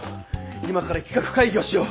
今から企画会議をしよう。